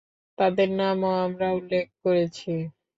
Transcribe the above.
তাদের নামও আমরা উল্লেখ করেছি।